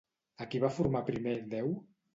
A qui va formar primer Déu?